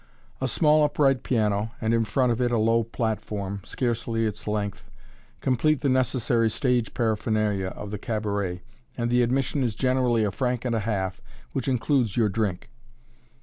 A small upright piano, and in front of it a low platform, scarcely its length, complete the necessary stage paraphernalia of the cabaret, and the admission is generally a franc and a half, which includes your drink.